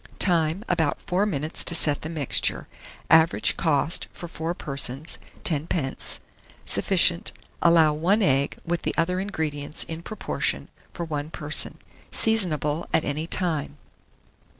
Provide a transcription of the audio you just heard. Time. About 4 minutes to set the mixture. Average cost for 4 persons, 10d. Sufficient. Allow 1 egg, with the other ingredients in proportion, for one person. Seasonable at any time.